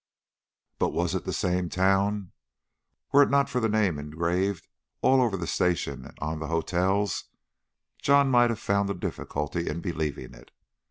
But was it the same town? Were it not for the name engraved all over the station and on the hotels, John might have found a difficulty in believing it.